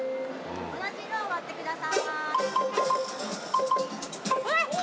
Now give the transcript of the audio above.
・同じ色を割ってください・わっ！